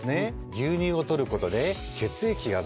牛乳を取ることで。